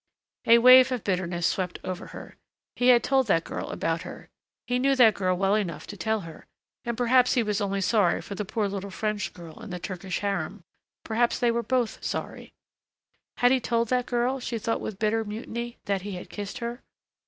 A wave of bitterness swept over her. He had told that girl about her he knew that girl well enough to tell her! And perhaps he was only sorry for the poor little French girl in the Turkish harem, perhaps they were both sorry.... Had he told that girl, she thought with bitter mutiny, that he had kissed her?